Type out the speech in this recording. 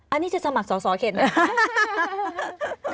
อันนี้จะสมัครสอสอเขตไหมคะ